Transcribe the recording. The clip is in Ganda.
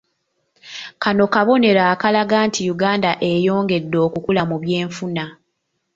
Kano kabonero akalaga nti Uganda eyongedde okukula mu byenfuna.